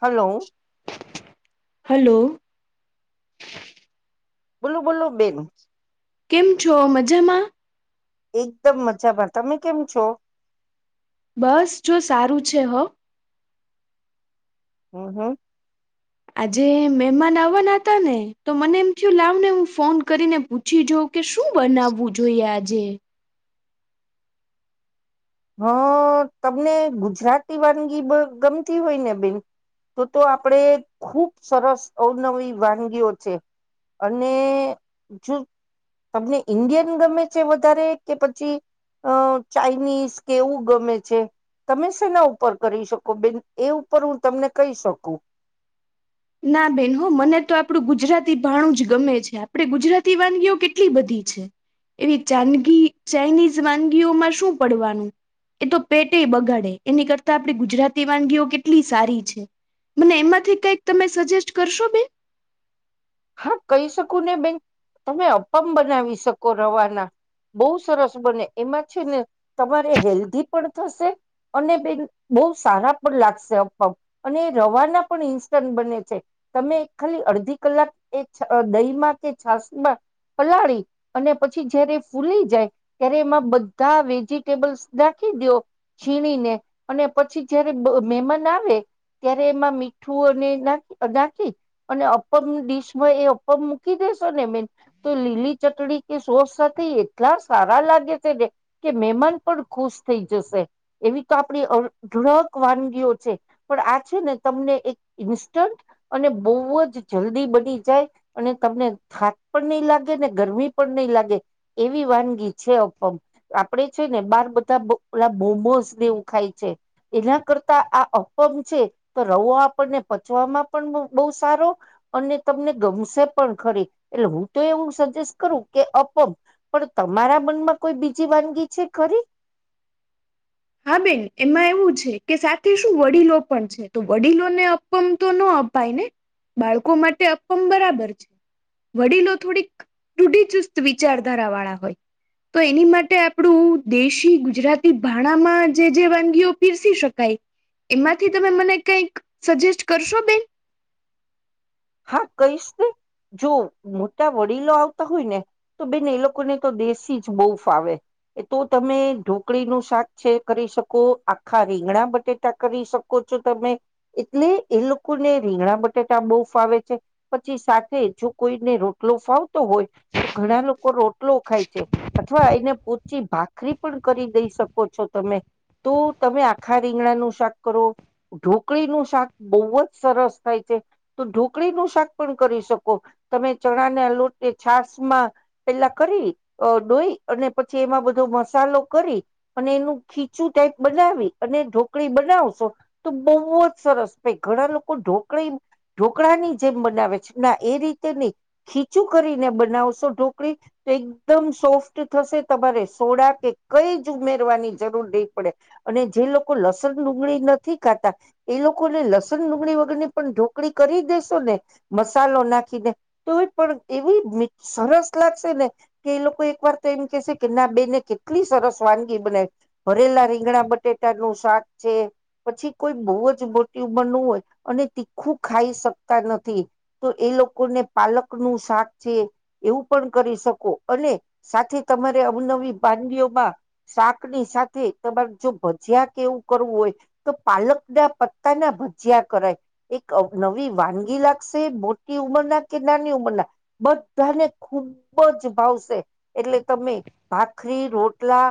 હાલો. Hello. બોલો બોલો બેન. કેમ છો મજમાં? એકદમ મજામાં તમે કેમ છો? બસ જો સારું છે હો. [inaudible] આજે મહેમાન આવવાના હતા ને તો મને એમ થય લાવ ને હું ફોન કરીને પૂછી જોવ કે શું બનાવવું જોઈએ આજે હ તમને ગુજરાતી વાનગી ગમતી હોય ને બેન તો તો આપણેે ખુબ સરસ અવનવી વાનગીઓ છે. અને જો તમને ઈન્ડિયન ગમે છે, વધારે કે પછી અ ચાાઈનીઝ કેવું ગમે છે. તમે શેના ઉપર કરી શકો બેન એ ઉપર હું તમને કહી શકું [inaudible] [unintelligible] ના બેન હો મને તો આપડું ગુજરાતી ભાણું જ ગમે છે, આપડે ગુજરાતી વાનગીઓ કેટલી બધી છે એવી ચાદગી ચાઇનીઝ વાનગીઓમાં શું પડવાનું એ તો પેટેય બગાડે એની કરતા આપણી ગુજરાતી વાનગીઓ કેટલી સારી છે. મને એમાંથી કઈક તમે સજેસ્ટ કરશો બેન? હા કહી શકું ને બેન તમે અપમ બનાવી શકો રવાના બહુ સરસ બને એમાં છે, ને તમારે હેલ્ધી પણ થશે અને બેન બહુ સારા પણ લાગશે અપમ અને રવાના પણ ઇન્સ્ટન્ટ બને છે. તમે ખાલી અડધી કલાક એ દહીમાં કે છાસ માં પલાળી અને પછી જયારે ફૂલી જાય ત્યારે એમાં બધા વેજીટેબલ્સને ખીદયો છીણીને અને પછી જયારે મેમાન આવે ત્યારે એમાં મીઠું અને નાખ નાખી અને અપમ ડીશ હ એ અપમ મૂકી દેેશો ને બેન તો લીલી ચટણી કે સોસ સાથે એટલા સારા લા [unintelligible] કે મેમાન પણ ખુશ થઈ જશે એવી તો આપણી અઢળક વાન ગીઓ છે, પણ આ છે, ને તમને એક ઇન્સ્ટન્ટ અને બહુ જ જલ્દી બની જાય અને તમને થાક પણ નહી લાગે ને ગરમી પણ નહી લાગે એવી વાનગી છે. અપમ આપણે છે, ને બાર બધા બ મોસનેવું ખાય છે, એના કરતા આ અપમ છે, તો રવો આપણને પચવામાં પણ બવ સારો અને તમને ગમશે પણ ખરી એટલે હું તો એવું સજેસ્ટ કરું કે અપમ પણ તમારા મનમાં કોઈ બીજી વાનગી છે ખરી? [inaudible] [unintelligible] હા બેન એમાં એવું છે, સાથે શું વડીલો પણ છે, તો વડીલોને અપમ તો નો અપાઈ ને બાળકો માટે અપમ બરાબર છે. વડીલો થોડીક ડૂઢી ચુસ્ત વિચારધારા વાળા હોય તો એની માટે આપણું દેશી ગુજરાતી ભા ણામાં જે જે વાનગીઓ પીરસી શકાય એમાંથી તમે મને કઈક સજેસ્ટ કરશો બેન? હા કઈશ ને જો મોટા વડીલો આવતા હોય ને તો બેન એ લોકોને તો દેશી જ બોવ ફાવે એ તો તમે ઢોકળીનું શાક છે, કરી શકો, આખા રીંગણા બટેટા કરી શકો છો તમે એટલે એ લોકોને રીંગણા બટેટા બોવ ફાવે છે, પછી સાથે જો કોઈને રોટલો ફાવતો હોય તો ઘણા લોકો રોટલો ખાય છે, અથવા એને પોચી ભાખરી પણ કરી દઈ શકો છો તમે તો તમે આખા રીંગણાનું શાક કરો ઢોકળીનું શાક બોવ જ સરસ થાય છે. તો ઢોકળી નું શાક પણ કરી શકો તમે ચણા ના લોટ છાસ માં પેલા [unintelligible] ડોઈ અને પછી એમાં બધો મસાલો કરી અને એનું ખીચું ટાઈપ બના વી અને ઢોકળી બનાવશો તો બોવ જ સરસ ભઈ ઘણા લોકો ઢોકળી ઢોકળા ની જેમ બનાવે છે ના એ રીતે નઇ, ખીચું કરીને બનાવશો ઢોકળી. એકદમ સોફ્ટ થશે તમારે સોડા કે કઈ જ ઉમેરવાની જરૂર નઈ પડે. અને જે લોકો લસણ ડુંગળી નથી ખાતા, એ લોકોને લસણ ડુંગળી વગરની પણ ઢોકડી કરી દેેશો ને, મસાલો નાખીને, તો પણ એવી સરસ લાગશે. કે એ લોકો એક વાર તો એમ કે કે ના બેને કેટલી સરસ વાનગી બનાવી, ભરેલા રીંગણા બટેટા નું શાક છે, પછી કોઈ બહુ જ મોટી ઉમર નું હોય, અને આખું ખાઈ શકતા નથી, તો એ લોકોને પાલક નું શાક છે, એવું પણ કરી શકો અને સાથે તમારે અવનવી વાનગીઓમાં. શાક ની સાથે તમારે જો ભજીયા કે એવું કરવું હોય, તો પાલક ના પત્તાના ભજીયા કરાય, એક નવી વાનગી લાગશે મોટી ઉંમરના કે નાની ઉંમરના, બધાને ખૂબ જ ભાવશે, એટલે તમે ભાખરી રોટલા.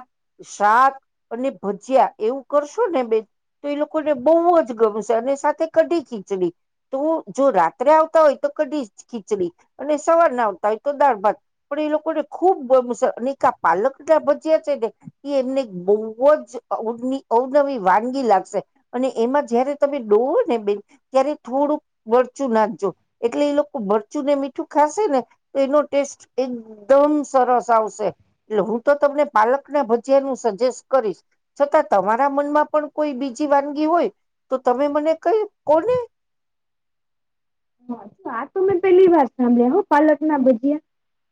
શાક અને ભજીયા એવું કરશુ ને બે તો એ લોકોને બવ જ ગમશે અને સાથે કઢી ખીચડી, તો જો રાત્રે આવતા હોય તો કઢી ખીચડી, અને સવાર ના આવતા હોય તો દાળભાત, પણ એ લોકોને ખુબ‌ ગમશે અને પાલક એટલા ભજ્યા છે ને, એ એમને બ બોવ જ અવ અવનવી વાનગી લાગશે, અને એમાં જયારે તમે ડોવો ને બે ત્યારે થોડુંક મરચું નાખજો, એટલે એ લોકો મરચું ને મીઠું ખાશે ને, તો એનો ટેસ્ટ એકદમ સરસ આવશે, એટલે હું તો તમને પાલક ના ભજિયાંનું સજેસ્ટ કરીશ. છતાં તમારા મનમાં પણ કોઈ બીજી વાનગી હોય, તો તમે મને કઈ કહી‌ શકો. ઓને. હા આ તો મેં પેલી વાર સાંભળ્યા હ પાલક ના ભજિયાં.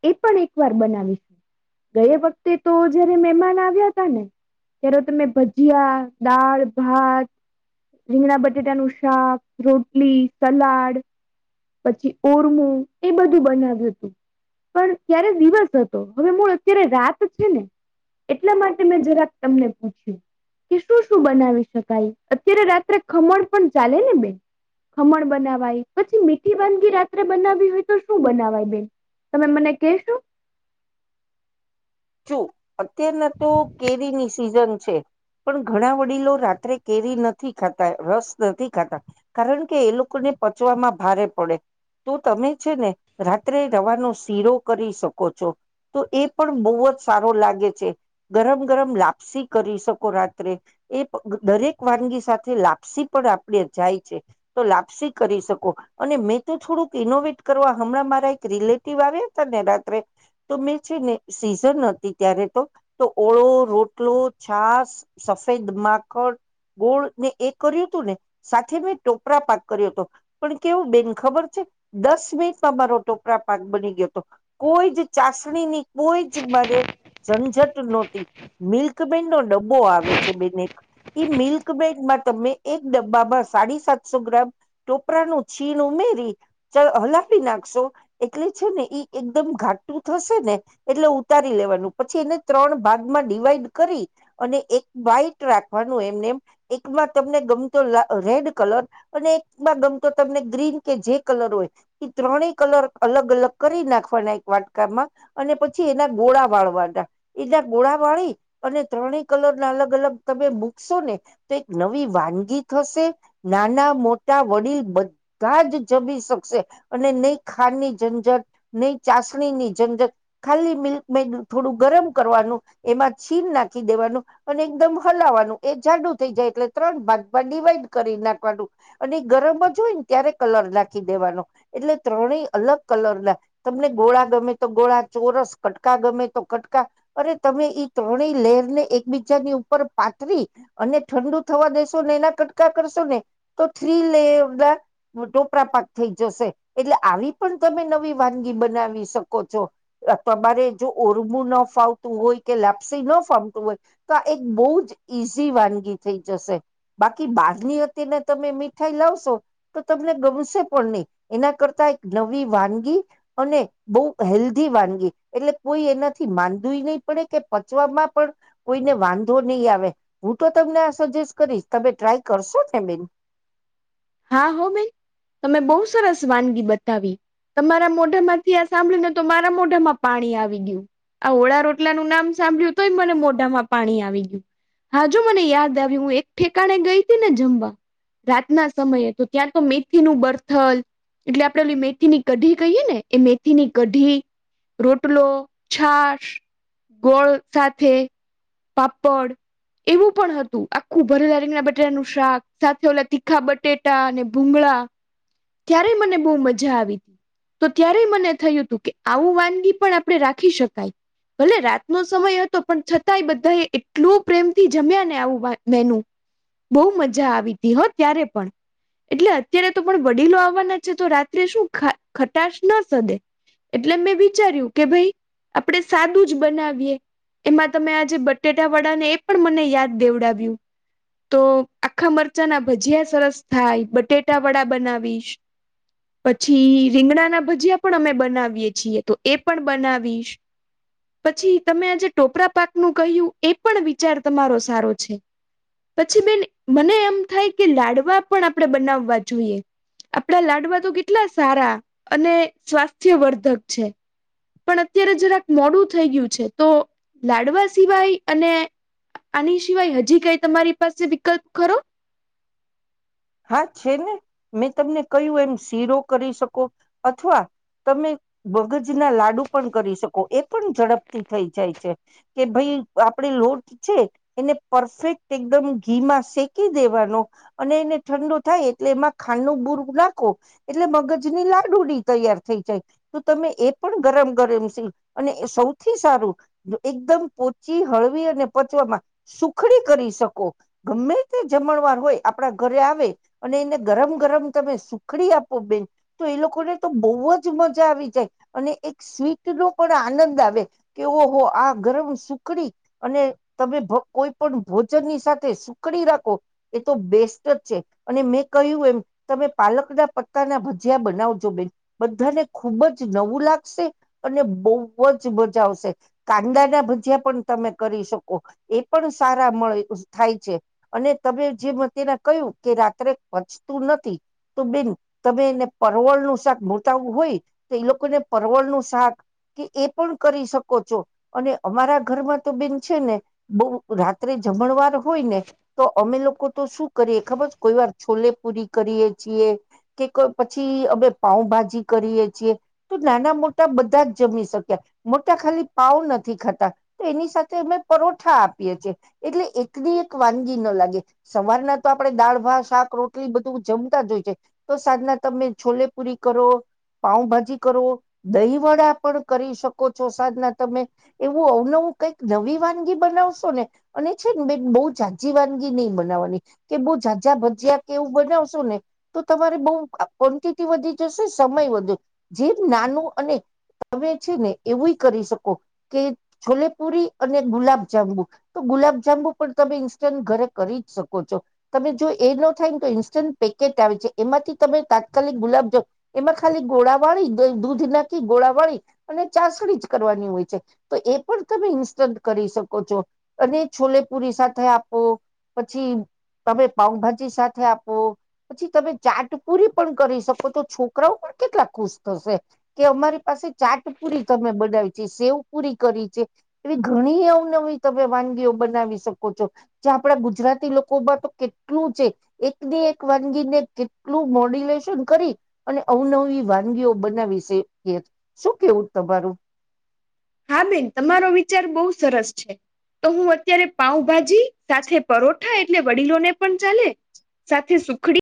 એ પણ એક વાર બનાવી, ગયા વખતે તો જયારે મહેમાન આવ્યા હતા ને. હેડો તમે ભજિયાં, દાળ ભાત. રીંગણા બટેટાં નું શાક રોટલી સલાડ. પછી ઓરમું એ બધું બનાવ્યું તું. પણ ત્યારે દિવસ હતો હવે મૂળ અત્યારે રાત છે ને. એટલાં માટે મેં જરાક તમને પૂછયું. કે શું શું બનાવી શકાય અત્યારે રાત્રે ખમણ પણ ચાલે ને બેન? ખમણ બનાવાય પછી મીઠી વાનગી રાત્રે બનાવી હોય તો શું બનાવાય બેન? તમે મને કહેશો? જો અત્યારના તો કેરીની સિઝન છે. પણ ઘણાં વડીલો રાત્રે કેરી નથી ખાતાં રસ નથી ખાતા, કારણ કે એ લોકો ને પચવામાં ભારે પડે. તો તમે છે ને રાત્રે રવાનો શીરો કરી શકો છો. તો એ પણ બહુ જ સારો લાગે છે, ગરમ ગરમ લાપસી કરી શકો રાત્રે, એ દરેક વાત મૂકી સાથે લાપસી પણ આપી જાય છે, તો લાપસી કરી શકો, અને મેં તો થોડું એનો વેટ કરવા હમણાં મારા એક રિલેટિવ આવ્યા હતા ને રાત્રે, તો મેં છે ને સિઝન ત્યારે તો તો, ઓળો રોટલો છાશ સફેદ માખણ. ગોળ ને એ કર્યું હતું ને, સાથે મેં ટોપરાપાક કર્યો હતો પણ કેવું બેન ખબર છે. દસ મિનિટમાં મારો ટોકરાપાક બની ગયો હતો, કોઈ જ ચાસણીની કોઈ જ મારે ઝંઝટ નહોતી, મિલ્કમેડ નો ડબ્બો આવે છે બેન એક. મિલ્ક બેગમાં તમે એક ડબ્બામાં સાડા સાતસો ગ્રામ કોપરાનું છીણ ઉમેરી, હલાવી નાખશો, એટલે છે ને એકદમ તુ થશે ને, એટલે ઉતારી લેવાનું. પછી એને ત્રણ ભાગમાં ડિવાઈડ કરી, અને એક વ્હાઈટ રાખવાનું એમને આમાં તમને ગમતો રેડ કલર, અને એકમાં ગમતો તમને ગ્રીન કે જે કલર હોય. એ ત્રણેય અલર અલગ અલગ કરી નાખવાના એક વાટકામાં, અને પછી એના ગોળા વાળવાના. એના ગોળા વાળી અને ત્રણેય કલરના અલગ અલગ તમે મૂકશો ને, તો એક નવા વાનગી થશે નાના-મોટા વડીલ બધા જ જમી શકશે અને નહી ખાંડની ઝંઝટ નહી ચાસણી ની ઝંઝટ ખાલી મિલ્ક મેડ થોડું ગરમ કરવાનું એમાં છીન નાંખી દેવાનું અને એકદમ હલાવાનું એ જાડું થઈ જાય એટલે ત્રણ ભાગમાં ડિવાઈડ કરી નાખવાનું અને ગરમ જ હોય ને ત્યારે કલર નાખી દેવાનો એટલે ત્રણેય અલગ કલરના તમને ગોળા ગમે તો ગોળા ચોરસ કટકા ગમે અને તમે ત્રણે લેહરના એકબીજા ઉપર પાધરી અને ઠડું થવા દેશોને એના કટકા કરશો ને તો ત્રણ લેહરના ટોપરા પાક થઈ જશે એટલે આવી પણ તમે નવી વાનગી બનાવી શકો છો તમારે જો. ઓરમું ન ફાવતું હોય કે લાપ્સી ન ફામતું હોય તો આ એક બહુંજ ઈઝી વાનગી થઈ જશે બાકી બહારની હતી ને તમે મીઠાઈ લાવશો તો તમને ગમશે પણ નહી એના કરતા એક નવી વાનગી અને બહુ હેલ્ધી વાનગી એટલે કોઈ એનાથી માદુંએ નહી પડે કે પચવામાં પણ વાધો નહી આવે હુંતો સજેસ્ટ કરીશ. તમે ટ્રાય કરશો બેન? હા હો, બેન તમે બહુ સરસ વાનગી બતાવી. તમારા મોઢા માંથી આ સાંભળ્યું ને તો મારા મોઢામાં પાણી આવી ગયું. આ ઓળા રોટલા નું નામ સાંભળ્યું તોય મને મોઢામાં પાણી આવી ગયું. હાજો મને યાદ આવી. હું એક ઠેકાણે ગઈ હતી ને જમવા રાતના. સમયે તો ત્યાં તો મેથી નું બર્થલ. એટલે આપડે મેથીની કઢી કહીએ ને એ મેથીની કઢી. રોટલો છાાસ ગોળ સાથે. પાપડ. એવું પણ હતું આખું ભરેલા રીંગના બટાટાનું શાક સાથે ઓલા તીખા બ. ટેટા અને ભુંગળા, ત્યારે મને બહુ મજા આવી હતી. તો ત્યારે મને થયું હતું કે આવું વાનગી પણ આપણે રાખી શકાય. ભલે રાતનો સમય હતો પણ છતાંય બધા એ એટલું પ્રેમથી જમ્યા ને આવું મેનું. બહુ મજા આવી હતી હો ત્યારે પણ. એટલે અત્યારે તો પણ વડીલો આવવાના છે. તો રાત્રે શું ખટાશ ના સધે. એટલે મેં વિચાર્યું કે ભાઈ આપણેે સાદું જ બનાવીએ. એમાં તમે આજે બટેટા વડા ને એ પણ મને યાદ દેવડાવ્યું. તો આખા મરચાં ના ભજીયા સરસ થાય બટેટા વડા બનાવીશ. પછી રીંગણાના ભજીયા પણ અમે બનાવીએ છીએ તો એ પણ બનાવીશ. પછી તમે આજે ટોપરા પાકનું કહ્યું એ પણ વિચાર તમારો સારો છે. પછી બેન, મને એમ થાય કે લાડવા પણ આપણે બનાવવા જોઈએ. આપડા લાડવા તો કેટલા સારા અને સ્વાસ્થ્યવર્ધક છે. પણ અત્યારે જરાક મોડું થઈ ગયું છે. તો લાડવા સિવાય અને. આની સિવાય હજી કઈ તમારી પાસે વિકલ્પ ખરો. હા, છે ને મેં તમને કહું એમ શીરો કરી શકો અથવા. તમે ભગજ ના લાડુ પણ કરી શકો એ પણ ઝડપથી થઈ જાય છે કે ભાઈ. આપડે લોટ છે એને પરફેક્ટ એકદમ ઘીમાં શેકી દેવાનો અને એને. ઠંડુ થાય એટલે એમાં ખાંડનું બુરું નાખો એટલે ભગજની લાડુડી તૈયાર થઈ જાય. તો તમે એ પણ ગરમ ગરમ સી અને સૌથી સારું એકદમ પોચી હળ. પચવામાં સુખડી કરી શકો ગમે તે જમણવાર હોય આપણા ઘરે આવે. અને એને ગરમ ગરમ તમે સુખડી આપો બેન તો એ લોકોને તો બહુ જ મજા આવે. આવી જાય અને એક સ્વીટ નો પણ આનંદ આવે કે ઓહ આ ગરમ સુખડી. અને તમે કોઈ પણ ભોજનની સાથે સુકડી રાખો એ તો બેસ્ટ જ છે. અને મેં કહ્યું એમ તમે પાલકના પત્તાના ભજીયા બનાવજો બેન બધાને ખૂબ જ. નવું લાગશે અને બહુ જ મજા આવશે કાંદાના ભજીયા પણ તમે. કરી શકો એ પણ સારા મળે થાય છે. અને તમે જે તેમા કયું. કે રાત્રે પચતું નથી તો બેન તમે એને પરવળ નું શાક ભાવતું હોય. એ લોકોને પરવળ નું શાક કે એ પણ કરી શકો છો અને અમારા ઘરમાં તો. છે ને બ રાત્રે જમણવાર હોય ને તો અમે લોકો તો શું કરીએ ખબર. કોઈ વાર છોલેપુરી કરીએ છીએ કે પછી અમે પાઉભાજી કરીએ છીએ, તો નાના મોટા બધા જ જમી શક્યા મોટા ખાલી પાાવ નથી ખાતા તો એની સાથે, અ પરોઠા આપીએ એટલે એક દ એક વાનગી ન લાગે, સવારના તો આપણેે દાળ. શાક રોટલી બધું જમતા જ હોય છે, તો સાંજના તમે છોલેપુરી કરો, પાઉભાજી કરો, દહીં વડા પણ કરી શકો છો સાદના તમે એવું અવનવું, કઈક નવી વાનગી બનાવશોને, અને છે ને બે બહ જા વાનગી નહી બનાવાની કે બ જા જા ભજીયા કેવું બનાવશો ને તો તમારે બહ ક્વોન્ટિટી વધી જશે સમય વધુ, જે નાનું અને તમે છે ને એવું કરી શકો કે છોલેપુરી, અને ગુલાબ જાંબુ તો ગુલાબ જાંબુ પણ તમે ઇન્સ્ટન્ટ ઘરે કરી જ શકો છો તમે જો. એ ન થાય ને તો ઇન્સ્ટન્ટ પેકેટ આવે છે. એમાંથી તમે તાત્કાલિક ગુલાબજામુન એમાં ખાલી ગોળાવાળ, દૂધ નાખી ગોળા વાળી અને ચાસણી જ કરવાની હોય છે, તો એ પણ તમે ઇન્સ્ટ કરી શકો છો અને છોલેપુરી સાથે આપો પછી તમે પાઉભાજી સાથે આપું, પછી તમે ચાટ પૂરી પણ કરી શકો તો છોકરાઓ પણ કેટલા ખુશ થશે કે અમારી પાસે ચાટપુરી તમે બનાવી સેવ પૂરી કરી છે, એવી ઘણી અવનવી તમે વાનગીઓ બનાવી શકો છો. આપડા ગુજરાતી લોકોમાં તો કેટ કેટલું છે એકની એક વાનગીને કેટલું મોડ્યુલેશન કરી અને અવનવી વાની વિડિઓ બનાવી શ શું કેવું તમારું હા, બેન તમારો વિચાર બહુ સરસ છે. તો હું અત્યારે પાઉભાજી સાથે પરોઠા એટલે વડીલોને પણ ચાલે સાથે સુખડી